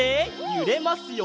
ゆれますよ。